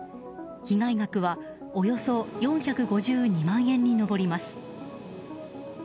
被害額はおよそ４５２万円に上ります。